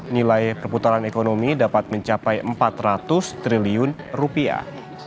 nilai perputaran ekonomi dapat mencapai empat ratus triliun rupiah